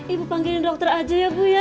ibu panggilin dokter aja ya bu ya